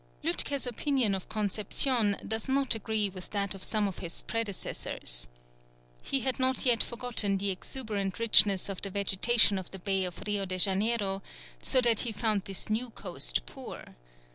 Lütke's opinion of Conception does not agree with that of some of his predecessors. He had not yet forgotten the exuberant richness of the vegetation of the Bay of Rio de Janeiro, so that he found this new coast poor.